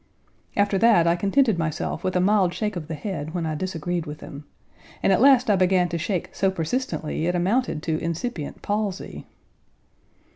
After that I contented myself with a mild shake of the head when I disagreed with him, and at last I began to shake so persistently it amounted to incipient palsy.